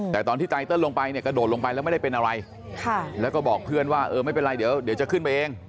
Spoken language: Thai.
แต่ตอนที่ไตเติลลงไปเนี่ยกระโดดลงไปแล้วไม่ได้เป็นอะไรแล้วก็บอกเพื่อนว่าเออไม่เป็นไรเดี๋ยวจะขึ้นไปเอง